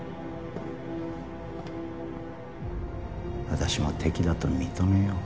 私も敵だと認めよう。